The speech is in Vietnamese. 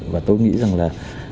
và tôi nghĩ rằng là